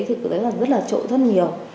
thì có thể là rất là trội rất nhiều